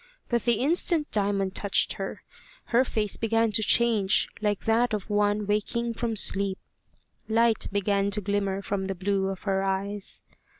But the instant Diamond touched her, her face began to change like that of one waking from sleep. Light began to glimmer from the blue of her eyes.